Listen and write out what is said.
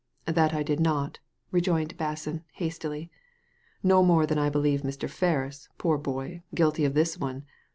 That I did not," rejoined Basson, hastily. •No more than I believe Mr, Ferris — poor boy — guilty of this one.